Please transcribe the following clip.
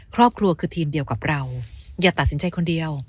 ครอบครัวคือทีมเดียวกับเราอย่าตัดสินใจคนเดียว